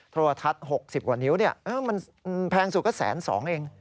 โทรทัศน์๖๐กว่านิ้วแพงสูงก็๑๐๒๐๐๐บาทเอง